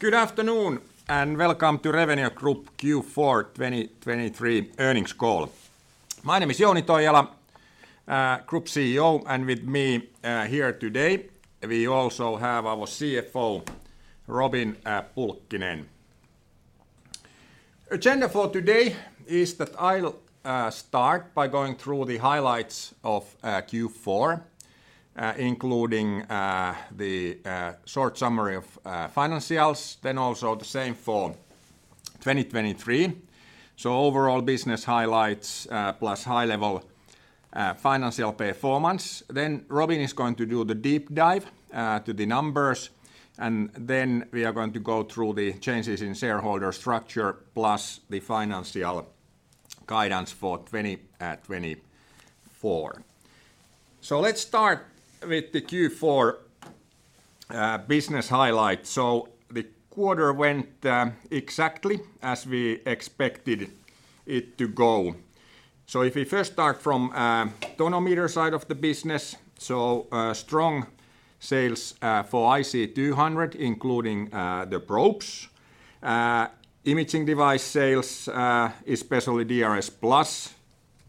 Good afternoon and welcome to Revenio Group Q4 2023 earnings call. My name is Jouni Toijala, Group CEO, and with me here today we also have our CFO Robin Pulkkinen. The agenda for today is that I'll start by going through the highlights of Q4, including the short summary of financials, then also the same for 2023. So overall business highlights plus high-level financial performance. Then Robin is going to do the deep dive to the numbers, and then we are going to go through the changes in shareholder structure plus the financial guidance for 2024. So let's start with the Q4 business highlights. So the quarter went exactly as we expected it to go. So if we first start from the tonometer side of the business, so strong sales for IC200, including the probes. Imaging device sales, especially DRSplus,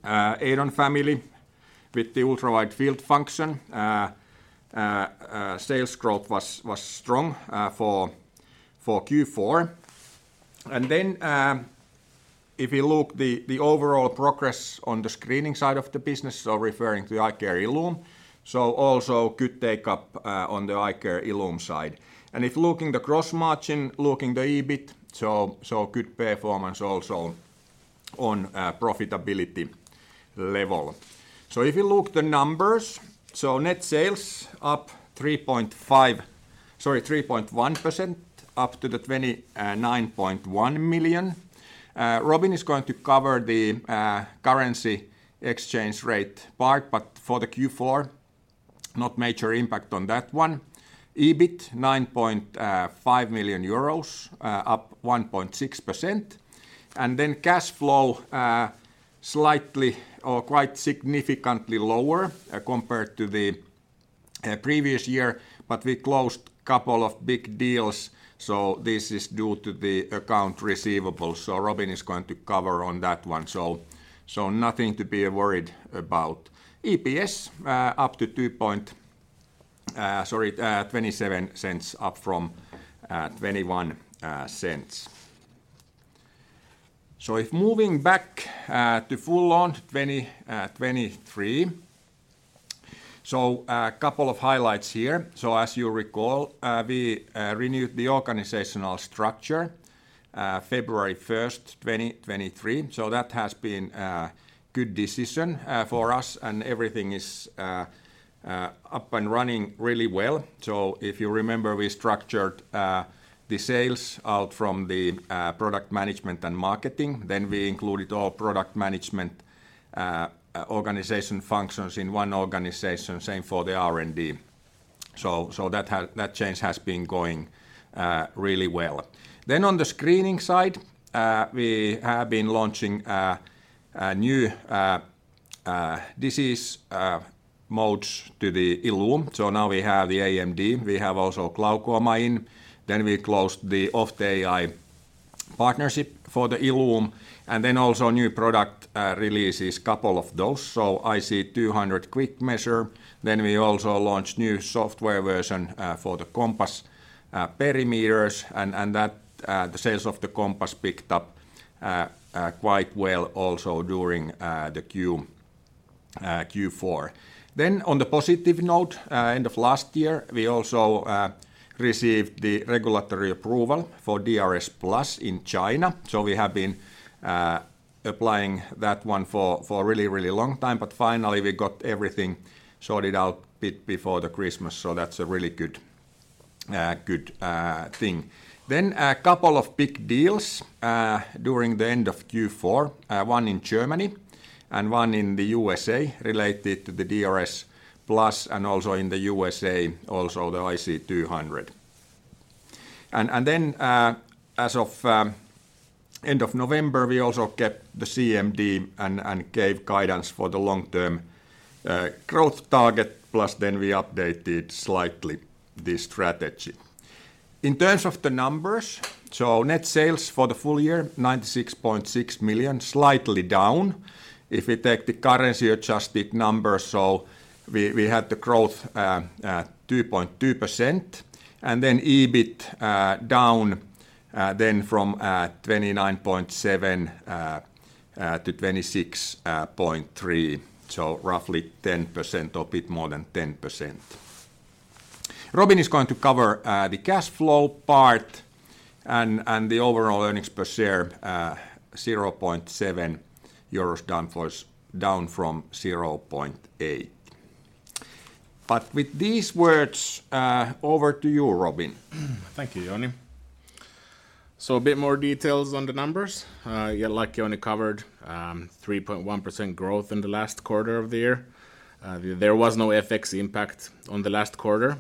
EIDON family with the ultra-widefield function. Sales growth was strong for Q4. Then if we look at the overall progress on the screening side of the business, so referring to iCare ILLUME, so also good take-up on the iCare ILLUME side. And if looking at the gross margin, looking at the EBIT, so good performance also on profitability level. So if we look at the numbers, so net sales up 3.1% up to 29.1 million. Robin is going to cover the currency exchange rate part, but for the Q4, not major impact on that one. EBIT, 9.5 million euros, up 1.6%. And then cash flow slightly or quite significantly lower compared to the previous year, but we closed a couple of big deals, so this is due to the accounts receivable. So Robin is going to cover on that one, so nothing to be worried about. EPS up to 2.27, up from 0.21. So, moving back to full-on 2023, a couple of highlights here. As you recall, we renewed the organizational structure February 1st, 2023. That has been a good decision for us, and everything is up and running really well. If you remember, we structured the sales out from the product management and marketing. Then we included all product management organization functions in one organization, same for the R&D. That change has been going really well. Then, on the screening side, we have been launching new disease modes to the ILLUME. Now we have the AMD. We have also glaucoma in. Then we closed the Ophthai partnership for the ILLUME. And then also new product releases, a couple of those. IC200 Quick Measure. Then we also launched a new software version for the COMPASS perimeters, and the sales of the COMPASS picked up quite well also during the Q4. Then on the positive note, end of last year, we also received the regulatory approval for DRSplus in China. So we have been applying that one for a really, really long time, but finally we got everything sorted out a bit before Christmas. So that's a really good thing. Then a couple of big deals during the end of Q4, one in Germany and one in the U.S.A. related to the DRSplus, and also in the U.S.A. also the IC200. And then as of end of November, we also kept the CMD and gave guidance for the long-term growth target, plus then we updated slightly this strategy. In terms of the numbers, so net sales for the full year, 96.6 million, slightly down. If we take the currency-adjusted numbers, so we had the growth 2.2%, and then EBIT down then from 29.7 to 26.3, so roughly 10% or a bit more than 10%. Robin is going to cover the cash flow part and the overall earnings per share, 0.7 euros down from 0.8. But with these words, over to you, Robin. Thank you, Jouni. So a bit more details on the numbers. Like Jouni covered, 3.1% growth in the last quarter of the year. There was no FX impact on the last quarter,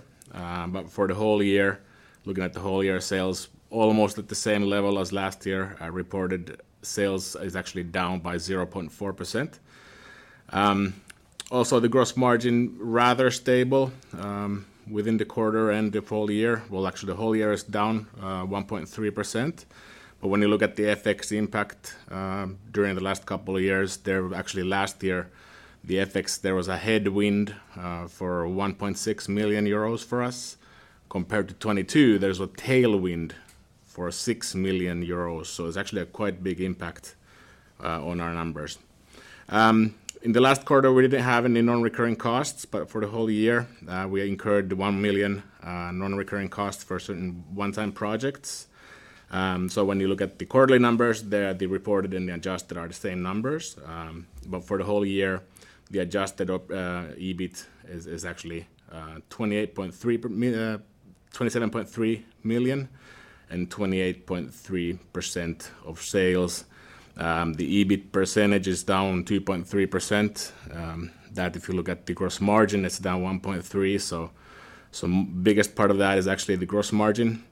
but for the whole year, looking at the whole year sales, almost at the same level as last year, reported sales is actually down by 0.4%. Also the gross margin, rather stable within the quarter and the whole year. Well, actually the whole year is down 1.3%, but when you look at the FX impact during the last couple of years, there actually last year the FX, there was a headwind for 1.6 million euros for us. Compared to 2022, there's a tailwind for 6 million euros. So it's actually a quite big impact on our numbers. In the last quarter, we didn't have any non-recurring costs, but for the whole year, we incurred 1 million non-recurring costs for certain one-time projects. So when you look at the quarterly numbers, the reported and the adjusted are the same numbers, but for the whole year, the Adjusted EBIT is actually 27.3 million and 28.3% of sales. The EBIT percentage is down 2.3%. If you look at the gross margin, it's down 1.3%. So the biggest part of that is actually the gross margin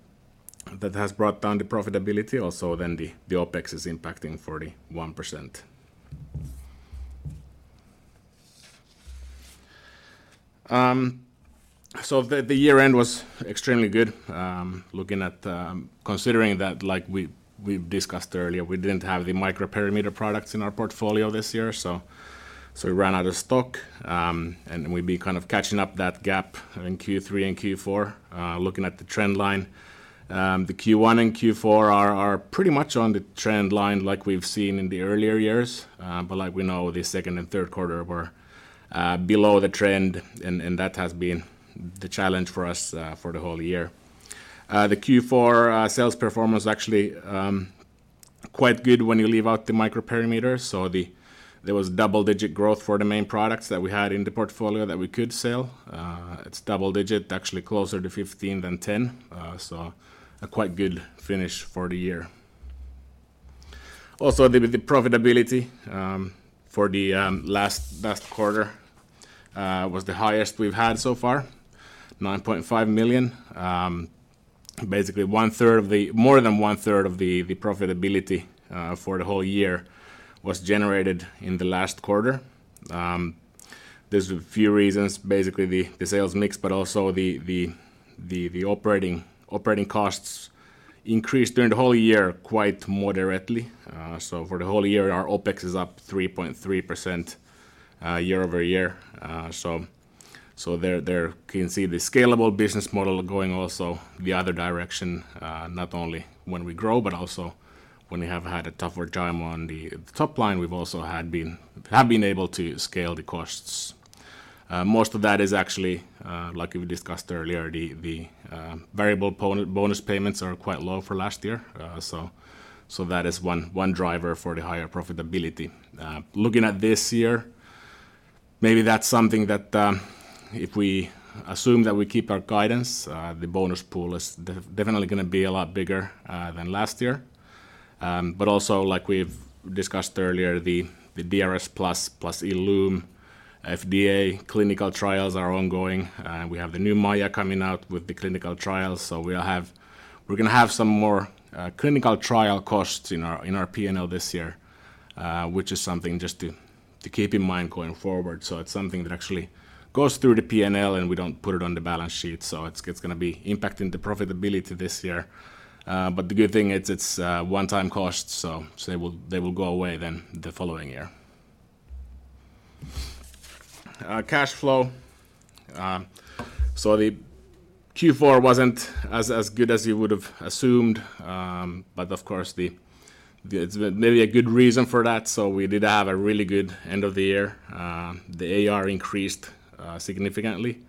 that has brought down the profitability. Also then the OpEx is impacting 41%. So the year-end was extremely good. Considering that, like we've discussed earlier, we didn't have the microperimeter products in our portfolio this year, so we ran out of stock. We'd be kind of catching up that gap in Q3 and Q4, looking at the trendline. The Q1 and Q4 are pretty much on the trendline like we've seen in the earlier years, but like we know, the second and third quarter were below the trend, and that has been the challenge for us for the whole year. The Q4 sales performance was actually quite good when you leave out the micro perimeter. So there was double-digit growth for the main products that we had in the portfolio that we could sell. It's double-digit, actually closer to 15 than 10, so a quite good finish for the year. Also the profitability for the last quarter was the highest we've had so far, 9.5 million. Basically one-third of the more than one-third of the profitability for the whole year was generated in the last quarter. There're a few reasons. Basically, the sales mix, but also the operating costs increased during the whole year quite moderately. So for the whole year, our OpEx is up 3.3% year-over-year. So there you can see the scalable business model going also the other direction, not only when we grow, but also when we have had a tougher time on the top line, we've also been able to scale the costs. Most of that is actually, like we discussed earlier, the variable bonus payments are quite low for last year. So that is one driver for the higher profitability. Looking at this year, maybe that's something that if we assume that we keep our guidance, the bonus pool is definitely going to be a lot bigger than last year. But also, like we've discussed earlier, the DRSplus ILLUME FDA clinical trials are ongoing. We have the new MAIA coming out with the clinical trials. So we're going to have some more clinical trial costs in our P&L this year, which is something just to keep in mind going forward. So it's something that actually goes through the P&L, and we don't put it on the balance sheet. So it's going to be impacting the profitability this year. But the good thing is it's one-time costs, so they will go away then the following year. Cash flow. So the Q4 wasn't as good as you would have assumed, but of course maybe a good reason for that. So we did have a really good end of the year. The AR increased significantly.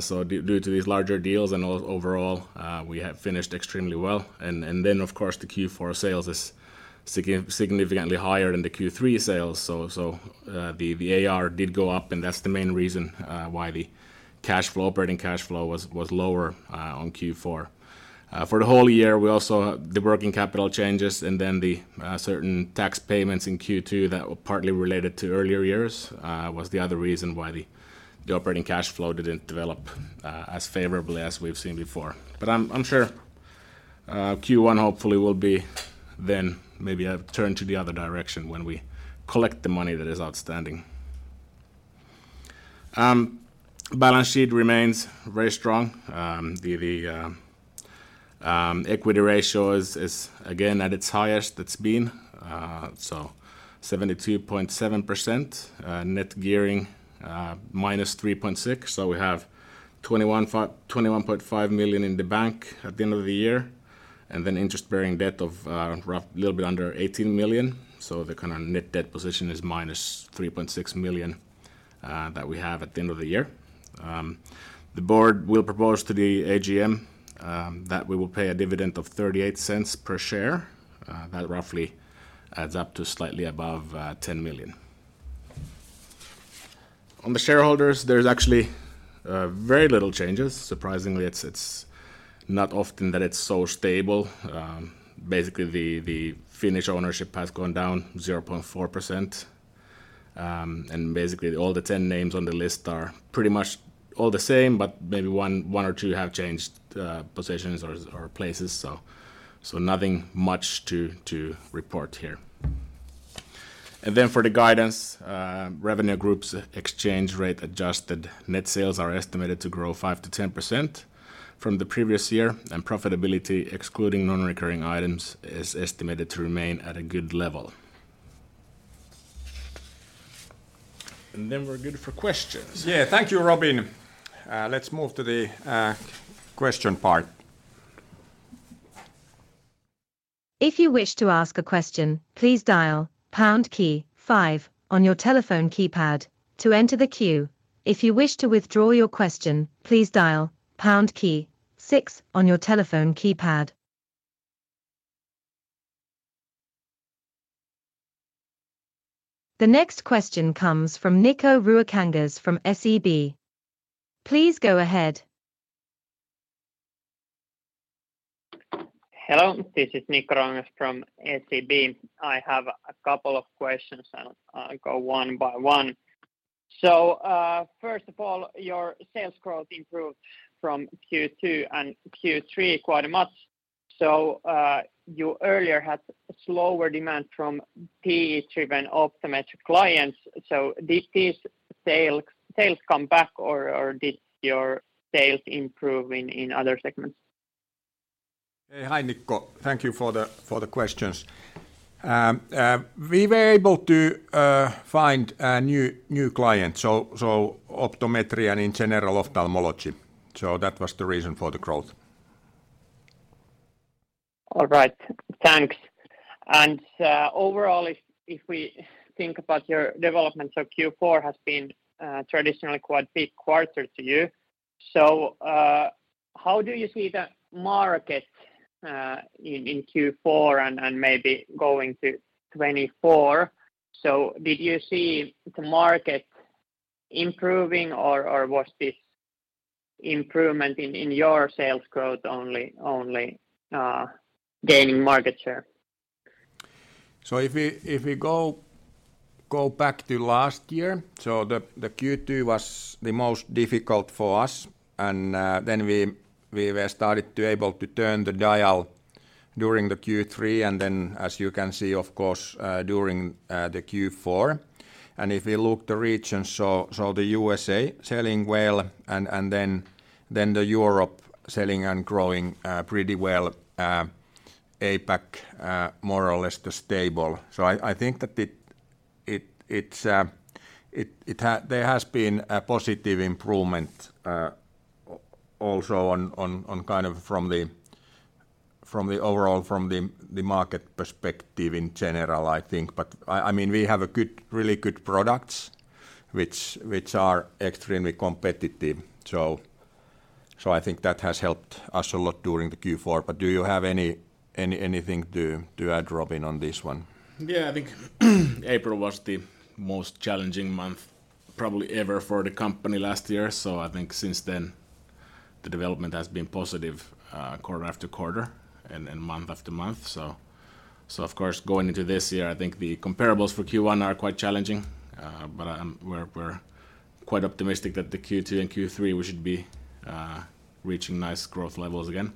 So due to these larger deals and overall, we have finished extremely well. And then, of course, the Q4 sales is significantly higher than the Q3 sales. So the AR did go up, and that's the main reason why the cash flow, operating cash flow, was lower on Q4. For the whole year, we also had the working capital changes and then the certain tax payments in Q2 that were partly related to earlier years was the other reason why the operating cash flow didn't develop as favorably as we've seen before. But I'm sure Q1 hopefully will be then maybe a turn to the other direction when we collect the money that is outstanding. Balance sheet remains very strong. The equity ratio is again at its highest that's been, so 72.7%. Net gearing minus 3.6%. So we have 21.5 million in the bank at the end of the year, and then interest-bearing debt of a little bit under 18 million. So the kind of net debt position is -3.6 million that we have at the end of the year. The board will propose to the AGM that we will pay a dividend of 0.38 per share. That roughly adds up to slightly above 10 million. On the shareholders, there's actually very little changes. Surprisingly, it's not often that it's so stable. Basically, the Finnish ownership has gone down 0.4%. And basically, all the 10 names on the list are pretty much all the same, but maybe one or two have changed positions or places. So nothing much to report here. And then for the guidance, Revenio Group's exchange rate adjusted net sales are estimated to grow 5%-10% from the previous year, and profitability, excluding non-recurring items, is estimated to remain at a good level. And then we're good for questions. Yeah, thank you, Robin. Let's move to the question part. If you wish to ask a question, please dial pound key five on your telephone keypad to enter the queue. If you wish to withdraw your question, please dial pound key six on your telephone keypad. The next question comes from Nikko Ruokangas from SEB. Please go ahead. Hello, this is Nikko Ruokangas from SEB. I have a couple of questions, and I'll go one by one. So first of all, your sales growth improved from Q2 and Q3 quite a much. So you earlier had slower demand from PE-driven optometric clients. So did these sales come back, or did your sales improve in other segments? Hi, Nikko. Thank you for the questions. We were able to find new clients, so optometry and in general ophthalmology. So that was the reason for the growth. All right, thanks. And overall, if we think about your development, so Q4 has been traditionally quite a big quarter to you. So how do you see the market in Q4 and maybe going to 2024? So did you see the market improving, or was this improvement in your sales growth only gaining market share? So if we go back to last year, so the Q2 was the most difficult for us. And then we were started to be able to turn the dial during the Q3 and then, as you can see, of course, during the Q4. And if we look at the regions, so the U.S.A. selling well and then the Europe selling and growing pretty well, APAC more or less stable. So I think that there has been a positive improvement also kind of from the overall, from the market perspective in general, I think. But I mean, we have really good products, which are extremely competitive. So I think that has helped us a lot during the Q4. But do you have anything to add, Robin, on this one? Yeah, I think April was the most challenging month probably ever for the company last year. So I think since then, the development has been positive quarter after quarter and month after month. So of course, going into this year, I think the comparables for Q1 are quite challenging, but we're quite optimistic that the Q2 and Q3 we should be reaching nice growth levels again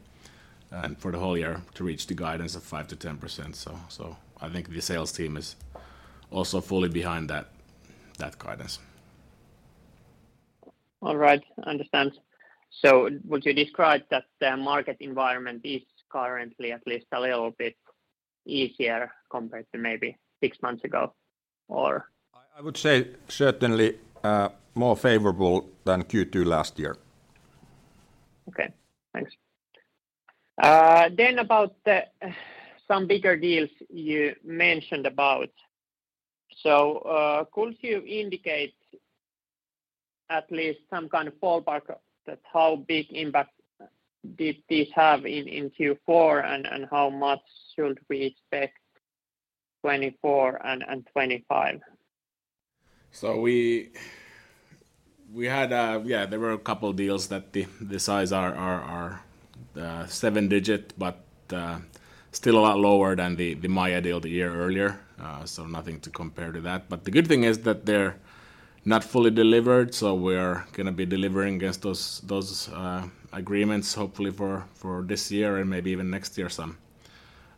and for the whole year to reach the guidance of 5%-10%. So I think the sales team is also fully behind that guidance. All right, understand. So would you describe that the market environment is currently at least a little bit easier compared to maybe six months ago, or? I would say certainly more favorable than Q2 last year. Okay, thanks. Then about some bigger deals you mentioned about. So could you indicate at least some kind of fallback that how big impact did these have in Q4 and how much should we expect 2024 and 2025? So yeah, there were a couple of deals that the size are seven-digit, but still a lot lower than the MAIA deal the year earlier. So nothing to compare to that. But the good thing is that they're not fully delivered. So we are going to be delivering against those agreements, hopefully for this year and maybe even next year some.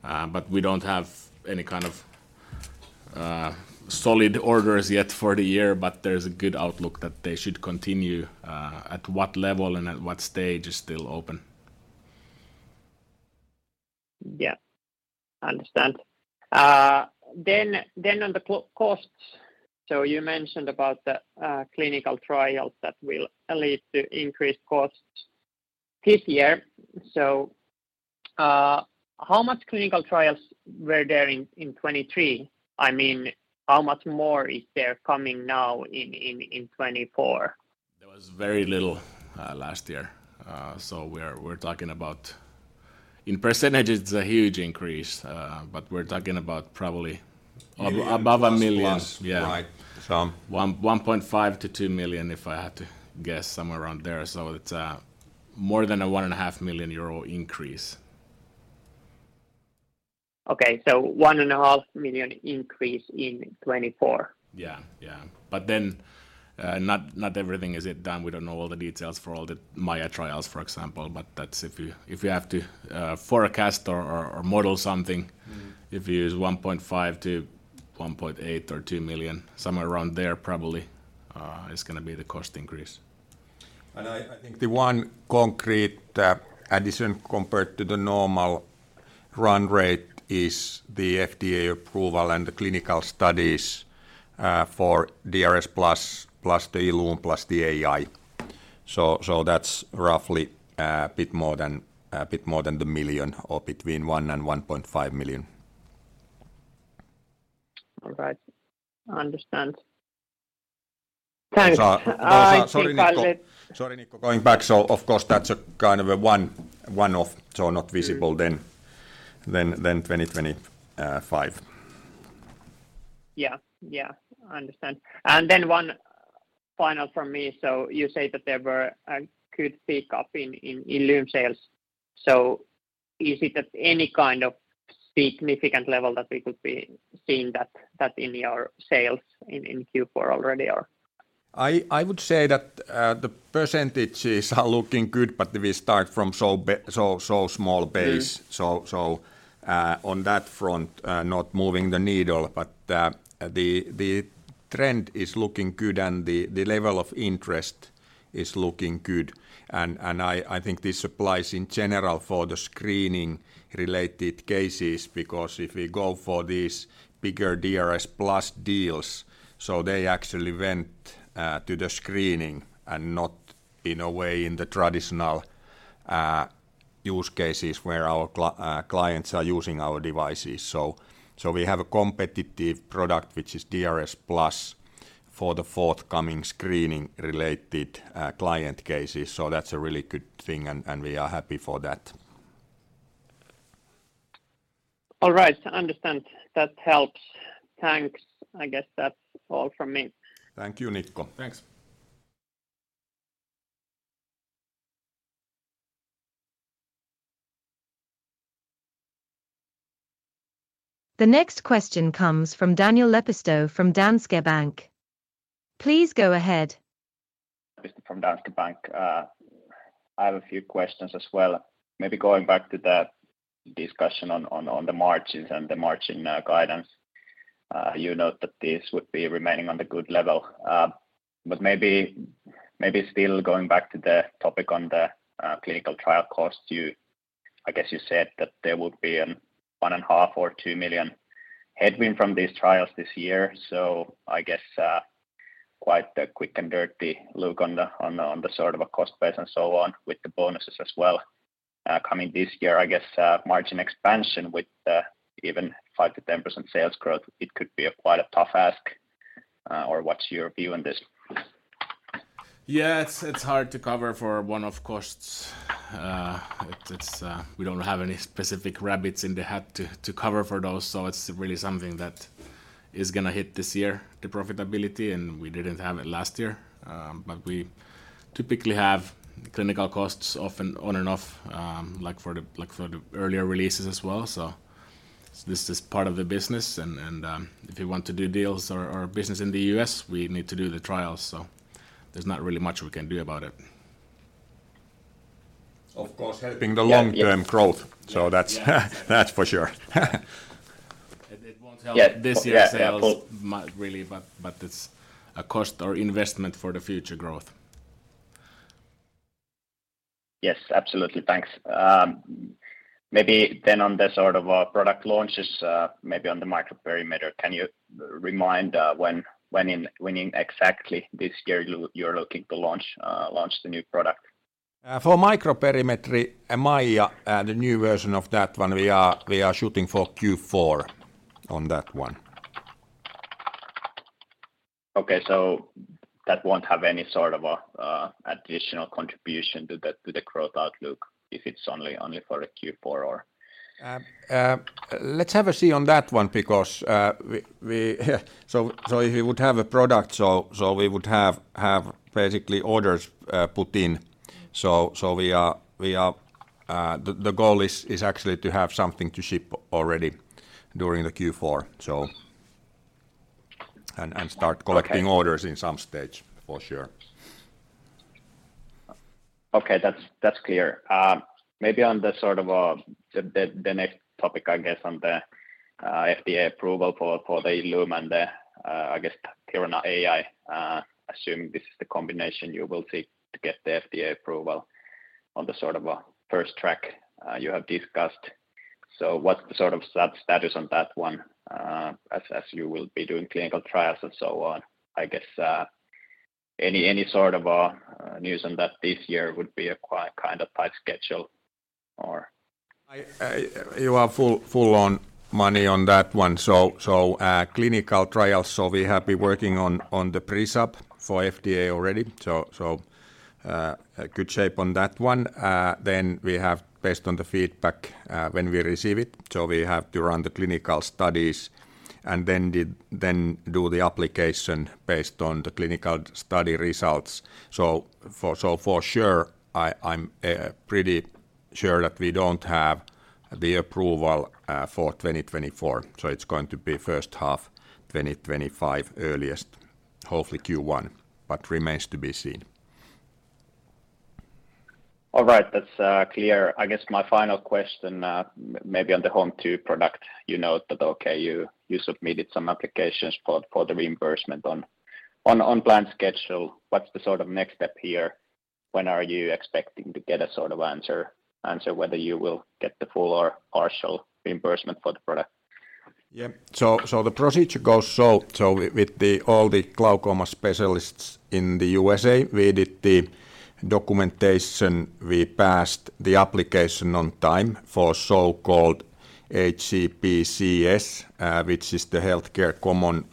But we don't have any kind of solid orders yet for the year, but there's a good outlook that they should continue at what level and at what stage is still open. Yeah, understand. Then on the costs. So you mentioned about the clinical trials that will lead to increased costs this year. So how much clinical trials were there in 2023? I mean, how much more is there coming now in 2024? There was very little last year. So we're talking about in percentage, it's a huge increase, but we're talking about probably above 1 million. 1.5 million-2 million, if I had to guess, somewhere around there. So it's more than a 1.5 million euro increase. Okay, so 1.5 million increase in 2024. Yeah, yeah. But then not everything is yet done. We don't know all the details for all the MAIA trials, for example. But if you have to forecast or model something, if you use 1.5 million-1.8 million or 2 million, somewhere around there probably is going to be the cost increase. I think the one concrete addition compared to the normal run rate is the FDA approval and the clinical studies for DRSplus plus the ILLUME plus the AI. So that's roughly a bit more than 1 million or between 1 million and 1.5 million. All right, understand. Thanks. Sorry, Nikko. Sorry, Nikko, going back. So of course, that's a kind of a one-off, so not visible then 2025. Yeah, yeah, understand. And then one final from me. So you say that there were a good pickup in ILLUME sales. So is it at any kind of significant level that we could be seeing that in your sales in Q4 already, or? I would say that the percentages are looking good, but we start from such a small base. So on that front, not moving the needle. But the trend is looking good, and the level of interest is looking good. And I think this applies in general for the screening-related cases because if we go for these bigger DRSplus deals, so they actually went to the screening and not in a way in the traditional use cases where our clients are using our devices. So we have a competitive product, which is DRSplus for the forthcoming screening-related client cases. So that's a really good thing, and we are happy for that. All right, understand. That helps. Thanks. I guess that's all from me. Thank you, Nikko. Thanks. The next question comes from Daniel Lepistö from Danske Bank. Please go ahead. Lepistö from Danske Bank. I have a few questions as well. Maybe going back to the discussion on the margins and the margin guidance, you note that these would be remaining on the good level. But maybe still going back to the topic on the clinical trial costs, I guess you said that there would be 1.5 million or 2 million headwind from these trials this year. So I guess quite the quick and dirty look on the sort of a cost base and so on with the bonuses as well coming this year. I guess margin expansion with even 5%-10% sales growth, it could be quite a tough ask. Or what's your view on this? Yeah, it's hard to cover for one-off costs. We don't have any specific rabbits in the hat to cover for those. So it's really something that is going to hit this year, the profitability, and we didn't have it last year. But we typically have clinical costs often on and off, like for the earlier releases as well. So this is part of the business. And if we want to do deals or business in the U.S., we need to do the trials. So there's not really much we can do about it. Of course, helping the long-term growth. So that's for sure. It won't help this year's sales, really, but it's a cost or investment for the future growth. Yes, absolutely. Thanks. Maybe then on the sort of product launches, maybe on the microperimeter, can you remind when exactly this year you're looking to launch the new product? For microperimetry, MAIA, the new version of that one, we are shooting for Q4 on that one. Okay, so that won't have any sort of additional contribution to the growth outlook if it's only for a Q4, or? Let's have a see on that one because so if we would have a product, so we would have basically orders put in. So the goal is actually to have something to ship already during the Q4 and start collecting orders in some stage for sure. Okay, that's clear. Maybe on the sort of the next topic, I guess, on the FDA approval for the ILLUME and the, I guess, Thirona AI, assuming this is the combination you will seek to get the FDA approval on the sort of first track you have discussed. So what's the sort of status on that one as you will be doing clinical trials and so on? I guess any sort of news on that this year would be a kind of tight schedule, or? You are full-on money on that one. So clinical trials, so we're happy working on the pre-sub for FDA already. So good shape on that one. Then we have, based on the feedback when we receive it, so we have to run the clinical studies and then do the application based on the clinical study results. So for sure, I'm pretty sure that we don't have the approval for 2024. So it's going to be first half 2025 earliest, hopefully Q1, but remains to be seen. All right, that's clear. I guess my final question, maybe on the home tonometer product, you note that, okay, you submitted some applications for the reimbursement on planned schedule. What's the sort of next step here? When are you expecting to get a sort of answer, whether you will get the full or partial reimbursement for the product? Yeah, so the procedure goes so, with all the glaucoma specialists in the U.S.A, we did the documentation. We passed the application on time for so-called HCPCS, which is the Healthcare Common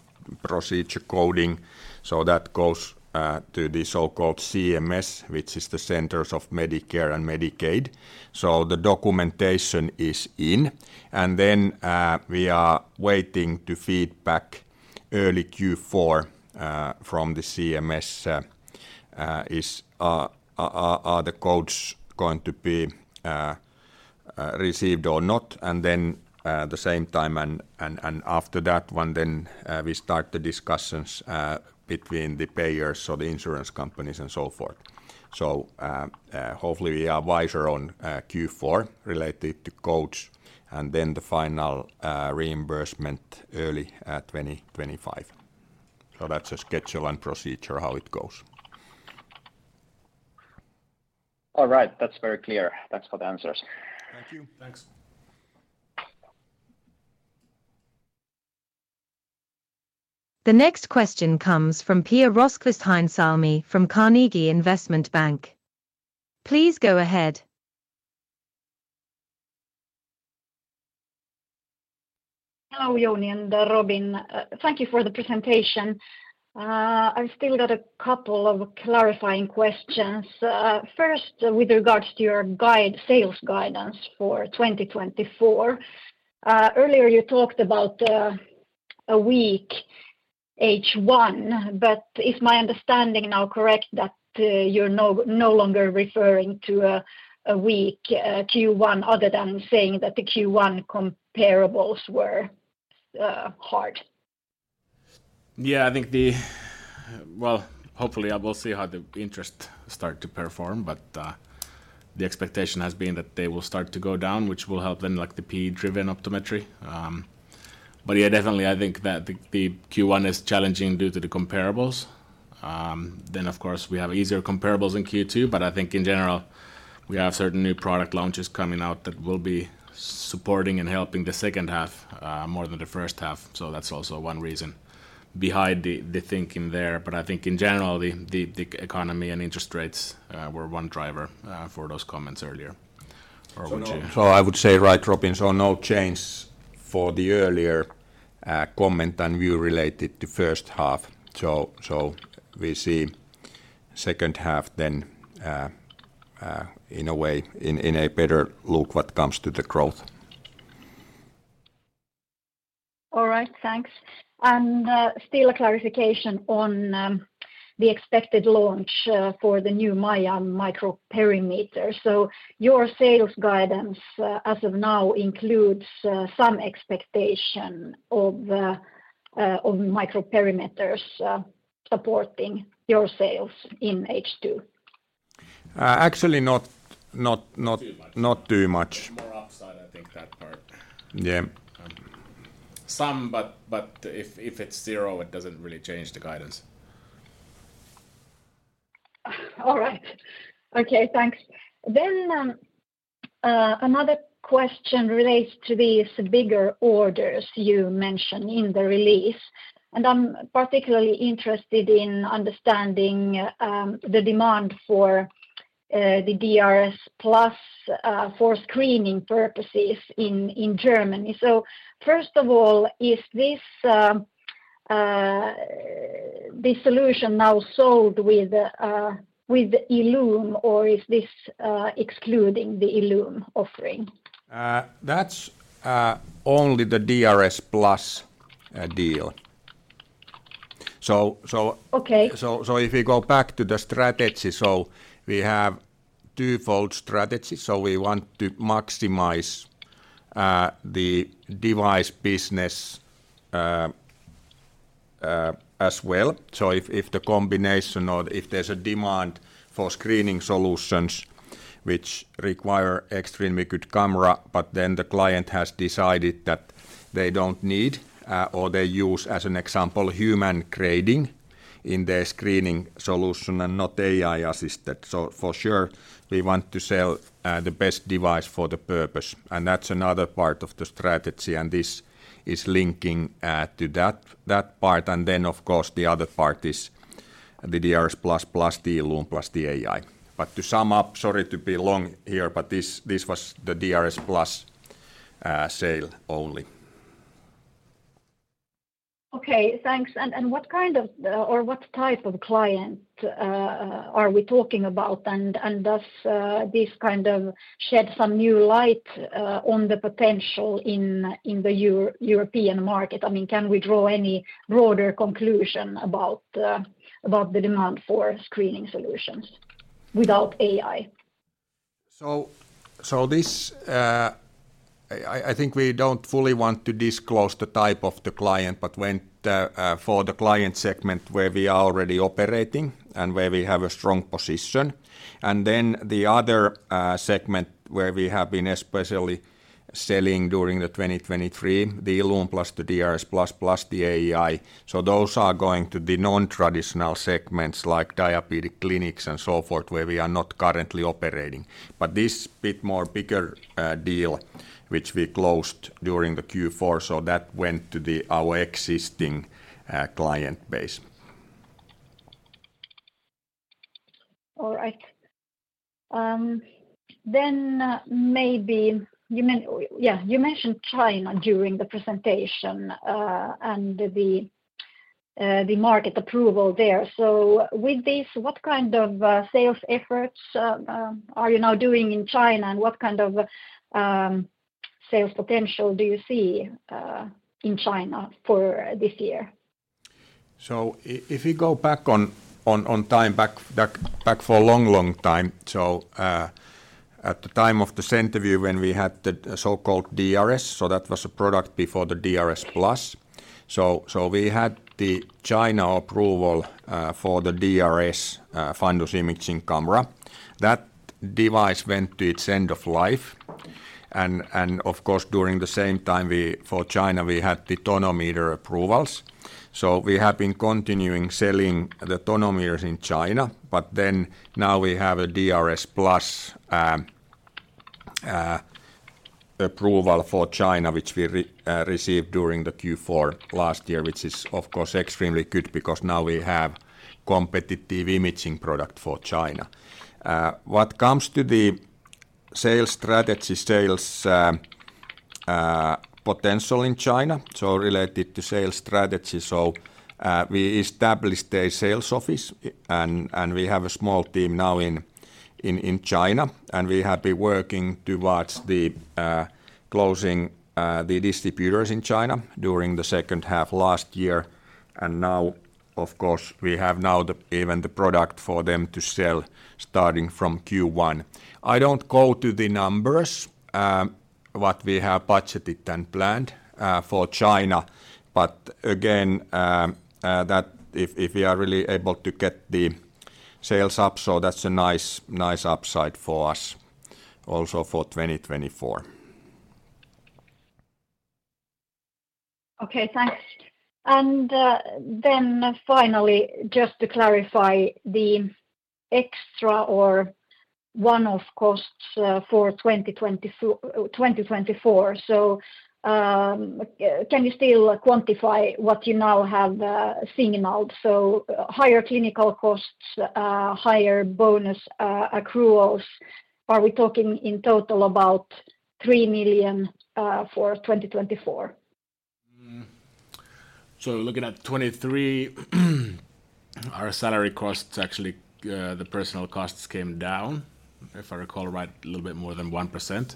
Procedure Coding System. So that goes to the so-called CMS, which is the Centers for Medicare and Medicaid Services. So the documentation is in. And then we are waiting for feedback early Q4 from the CMS, are the codes going to be received or not? And then at the same time and after that one, then we start the discussions between the payers, so the insurance companies and so forth. So hopefully, we are wiser on Q4 related to codes and then the final reimbursement early 2025. So that's a schedule and procedure, how it goes. All right, that's very clear. Thanks for the answers. Thank you. Thanks. The next question comes from Pia Rosqvist-Heinsalmi from Carnegie Investment Bank. Please go ahead. Hello, Jouni and Robin. Thank you for the presentation. I've still got a couple of clarifying questions. First, with regards to your sales guidance for 2024, earlier you talked about a weak H1, but is my understanding now correct that you're no longer referring to a weak Q1 other than saying that the Q1 comparables were hard? Yeah, I think, well, hopefully, I will see how the interest starts to perform, but the expectation has been that they will start to go down, which will help then the PE-driven optometry. But yeah, definitely, I think that the Q1 is challenging due to the comparables. Then, of course, we have easier comparables in Q2, but I think in general, we have certain new product launches coming out that will be supporting and helping the second half more than the first half. So that's also one reason behind the thinking there. But I think in general, the economy and interest rates were one driver for those comments earlier, or would you? So, I would say, right, Robin. So, no change for the earlier comment and view related to first half. So, we see second half then in a way in a better look what comes to the growth. All right, thanks. And still a clarification on the expected launch for the new MAIA microperimeter. So your sales guidance as of now includes some expectation of microperimeters supporting your sales in H2. Actually, not too much. It's more upside, I think, that part. Yeah. Some, but if it's zero, it doesn't really change the guidance. All right. Okay, thanks. Another question relates to these bigger orders you mentioned in the release. I'm particularly interested in understanding the demand for the DRSplus for screening purposes in Germany. So first of all, is this solution now sold with ILLUME, or is this excluding the ILLUME offering? That's only the DRSplus deal. So if we go back to the strategy, so we have a two-fold strategy. So we want to maximize the device business as well. So if the combination or if there's a demand for screening solutions, which require extreme liquid camera, but then the client has decided that they don't need, or they use, as an example, human grading in their screening solution and not AI-assisted. So for sure, we want to sell the best device for the purpose. And that's another part of the strategy. And this is linking to that part. And then, of course, the other part is the DRSplus plus the ILLUME plus the AI. But to sum up, sorry to be long here, but this was the DRSplus sale only. Okay, thanks. And what kind of or what type of client are we talking about? And does this kind of shed some new light on the potential in the European market? I mean, can we draw any broader conclusion about the demand for screening solutions without AI? So I think we don't fully want to disclose the type of the client, but for the client segment where we are already operating and where we have a strong position. And then the other segment where we have been especially selling during 2023, the ILLUME plus the DRSplus plus the AI. So those are going to the non-traditional segments like diabetic clinics and so forth where we are not currently operating. But this bit more bigger deal, which we closed during Q4, so that went to our existing client base. All right. Then maybe yeah, you mentioned China during the presentation and the market approval there. So with this, what kind of sales efforts are you now doing in China, and what kind of sales potential do you see in China for this year? So if we go back on time, back for a long, long time, so at the time of CenterVue when we had the so-called DRS, so that was a product before the DRSplus. So we had the China approval for the DRS fundus imaging camera. That device went to its end of life. And of course, during the same time, for China, we had the tonometer approvals. So we have been continuing selling the tonometers in China. But then now we have a DRSplus approval for China, which we received during the Q4 last year, which is, of course, extremely good because now we have a competitive imaging product for China. What comes to the sales strategy. Sales potential in China, so related to sales strategy. So we established a sales office, and we have a small team now in China. We have been working towards closing the distributors in China during the second half last year. Now, of course, we have now even the product for them to sell starting from Q1. I don't go to the numbers, what we have budgeted and planned for China. Again, if we are really able to get the sales up, so that's a nice upside for us also for 2024. Okay, thanks. And then finally, just to clarify, the extra or one-off costs for 2024, so can you still quantify what you now have signaled? So higher clinical costs, higher bonus accruals, are we talking in total about 3 million for 2024? So looking at 2023, our salary costs, actually the personnel costs came down, if I recall right, a little bit more than 1%.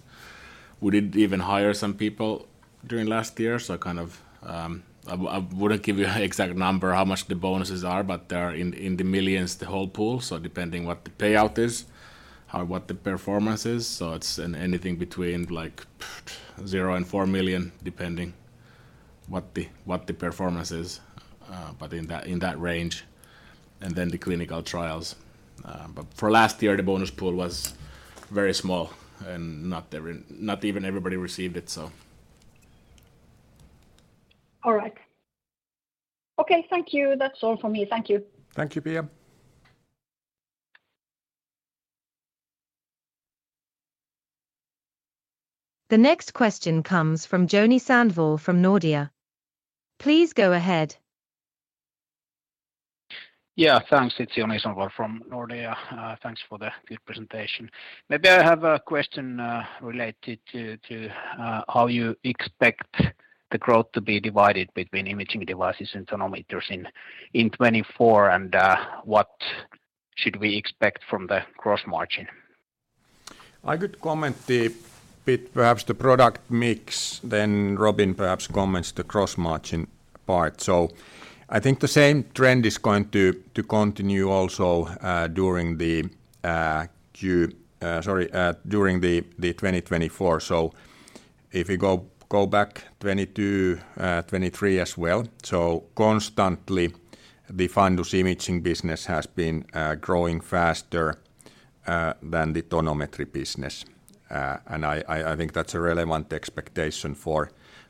We did even hire some people during last year. So I kind of I wouldn't give you an exact number how much the bonuses are, but they are in the millions, the whole pool. So depending on what the payout is, what the performance is. So it's anything between 0 and 4 million, depending on what the performance is, but in that range. And then the clinical trials. But for last year, the bonus pool was very small, and not even everybody received it, so. All right. Okay, thank you. That's all for me. Thank you. Thank you, Pia. The next question comes from Joni Sandvall from Nordea. Please go ahead. Yeah, thanks, it's Joni Sandvall from Nordea. Thanks for the good presentation. Maybe I have a question related to how you expect the growth to be divided between imaging devices and tonometers in 2024, and what should we expect from the gross margin? A good comment, but perhaps the product mix. Then Robin perhaps comments the gross margin part. So I think the same trend is going to continue also during the Q2, sorry, during 2024. So if we go back 2022, 2023 as well. So constantly, the fundus imaging business has been growing faster than the tonometry business. And I think that's a relevant expectation for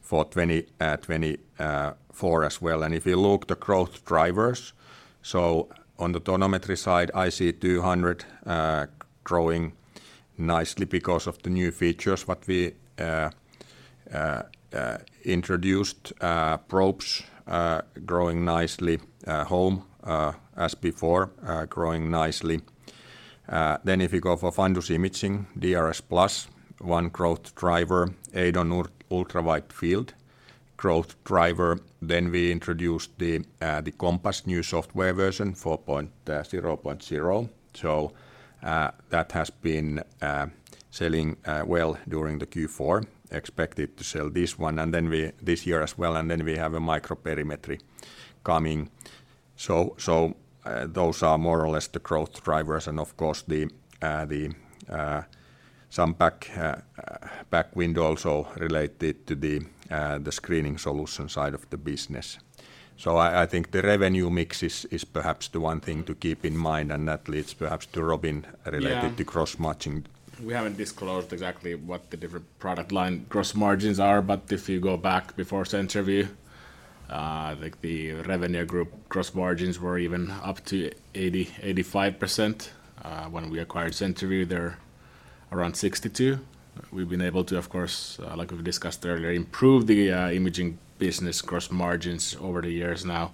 2024 as well. And if you look at the growth drivers, so on the tonometry side, I see 200 growing nicely because of the new features what we introduced, probes growing nicely, home as before, growing nicely. Then if you go for fundus imaging, DRSplus, one growth driver, EIDON Ultra-Widefield, growth driver. Then we introduced the COMPASS new software version, 4.0.0. So that has been selling well during the Q4, expected to sell this one and then this year as well. And then we have a microperimetry coming. So those are more or less the growth drivers. And of course, some backlog also related to the screening solution side of the business. So I think the revenue mix is perhaps the one thing to keep in mind, and that leads perhaps to Robin related to gross margin. We haven't disclosed exactly what the different product line gross margins are, but if you go back before CenterVue, the Revenio Group gross margins were even up to 85%. When we acquired CenterVue, they're around 62%. We've been able to, of course, like we've discussed earlier, improve the imaging business gross margins over the years now.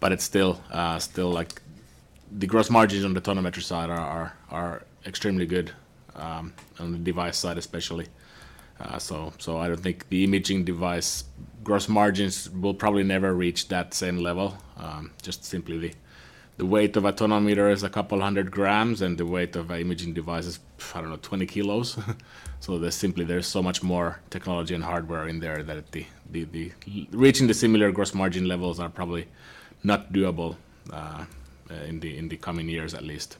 But it's still the gross margins on the tonometry side are extremely good, on the device side especially. So I don't think the imaging device gross margins will probably never reach that same level. Just simply the weight of a tonometer is a couple hundred grams, and the weight of an imaging device is, I don't know, 20 kg. So simply there's so much more technology and hardware in there that reaching the similar gross margin levels are probably not doable in the coming years at least.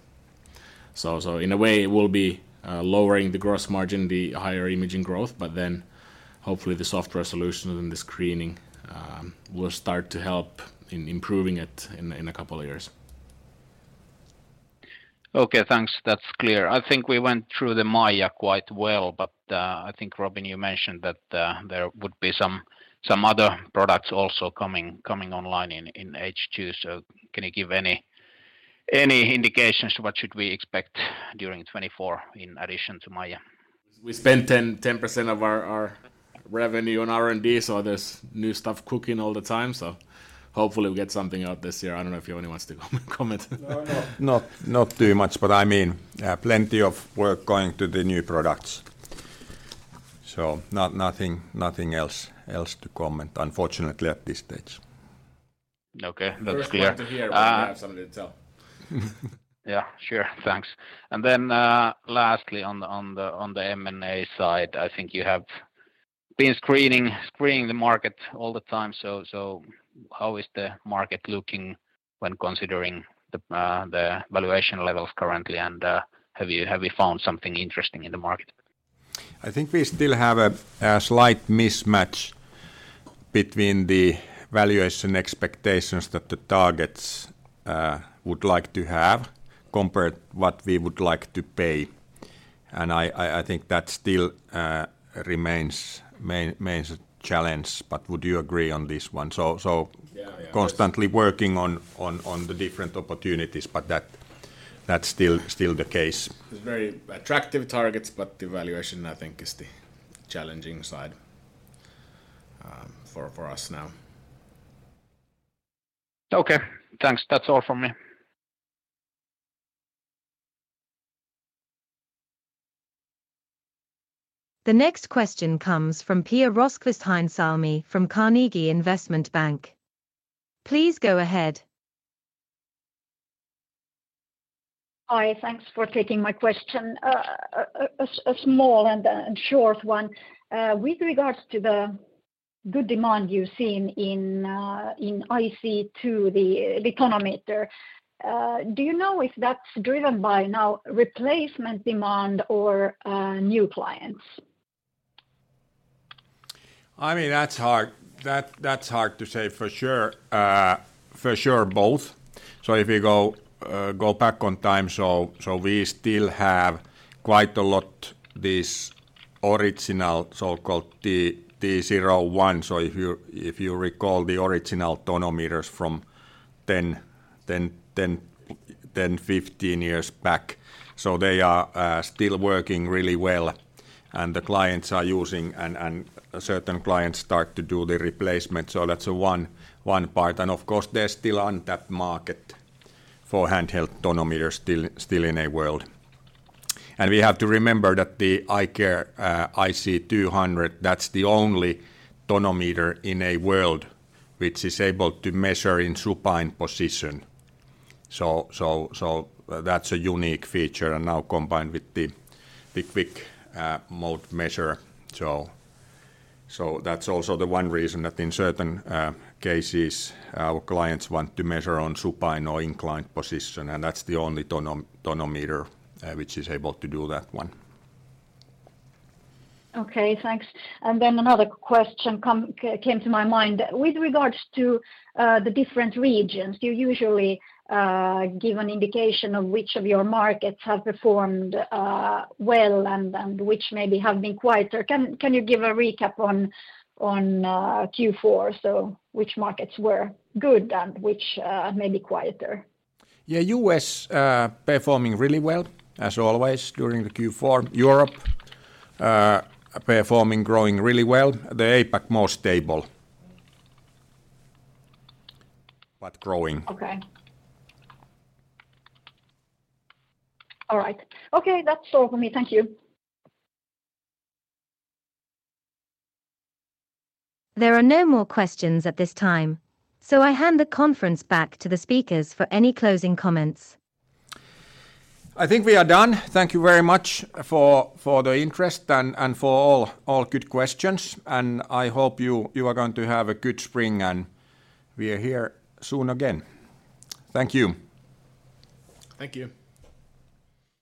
So in a way, it will be lowering the gross margin, the higher imaging growth, but then hopefully the software solutions and the screening will start to help in improving it in a couple of years. Okay, thanks. That's clear. I think we went through the MAIA quite well, but I think, Robin, you mentioned that there would be some other products also coming online in H2. So can you give any indications what should we expect during 2024 in addition to MAIA? We spent 10% of our revenue on R&D, so there's new stuff cooking all the time. So hopefully we get something out this year. I don't know if you have anyone else to comment. No, not too much. But I mean, plenty of work going to the new products. So nothing else to comment, unfortunately, at this stage. Okay, that's clear. Just wanted to hear if you have something to tell. Yeah, sure. Thanks. And then lastly, on the M&A side, I think you have been screening the market all the time. So how is the market looking when considering the valuation levels currently? And have we found something interesting in the market? I think we still have a slight mismatch between the valuation expectations that the targets would like to have compared to what we would like to pay. And I think that still remains a challenge. But would you agree on this one? So constantly working on the different opportunities, but that's still the case. It's very attractive targets, but the valuation, I think, is the challenging side for us now. Okay, thanks. That's all from me. The next question comes from Pia Rosqvist-Heinsalmi from Carnegie Investment Bank. Please go ahead. Hi, thanks for taking my question. A small and short one. With regards to the good demand you've seen in IC200, the tonometer, do you know if that's driven by now replacement demand or new clients? I mean, that's hard to say for sure. For sure, both. So if we go back in time, so we still have quite a lot of this original so-called TA01. So if you recall the original tonometers from 10, 15 years back, so they are still working really well. And the clients are using, and certain clients start to do the replacement. So that's one part. And of course, there's still untapped market for handheld tonometers still in the world. And we have to remember that the iCare IC200, that's the only tonometer in the world which is able to measure in supine position. So that's a unique feature, and now combined with the quick mode measure. So that's also the one reason that in certain cases, our clients want to measure on supine or inclined position. And that's the only tonometer which is able to do that one. Okay, thanks. And then another question came to my mind. With regards to the different regions, you usually give an indication of which of your markets have performed well and which maybe have been quieter. Can you give a recap on Q4, so which markets were good and which maybe quieter? Yeah, U.S. performing really well as always during the Q4. Europe performing, growing really well. The APAC most stable, but growing. Okay. All right. Okay, that's all for me. Thank you. There are no more questions at this time, so I hand the conference back to the speakers for any closing comments. I think we are done. Thank you very much for the interest and for all good questions. And I hope you are going to have a good spring, and we are here soon again. Thank you. Thank you.